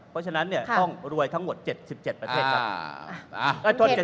เพราะฉะนั้นต้องรวยทั้งหมด๗๗จังหวัด